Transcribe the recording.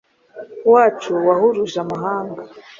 wacu wahuruje amahanga.